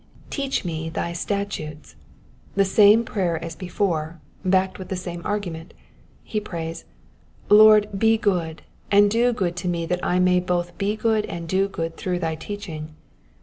'•''Teach me thy statutes,'''^ The same prayer as before, backed with the same argument. He prays, ^* Lord be good, and do good to me that I may both be good and do good through thy teaching.'